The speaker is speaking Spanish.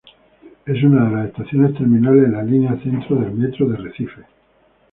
Es una de las estaciones terminales de la Línea Centro del Metro de Recife.